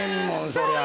そりゃ。